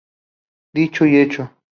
Dicho y hecho.